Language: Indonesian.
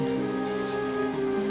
sampai jumpa lagi